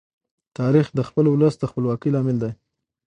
تاریخ د خپل ولس د خپلواکۍ لامل دی.